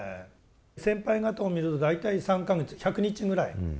先輩方を見ると大体３か月１００日ぐらい。